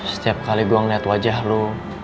setiap kali gue ngeliat wajah lo